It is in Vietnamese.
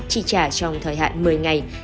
chi trả trong thời hạn một mươi ngày